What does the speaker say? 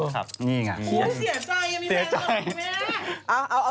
จากกระแสของละครกรุเปสันนิวาสนะฮะ